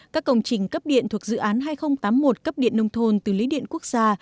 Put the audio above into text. các công trình cấp điện thuộc dự án hai nghìn tám mươi một cấp điện nông thôn từ lý điện quốc gia